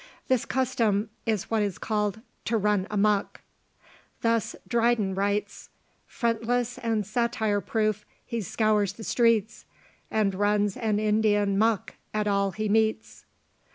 This custom is what is called "To run a muck." Thus Dryden writes "Frontless and satire proof, he scours the streets, And runs an Indian muck at all he meets."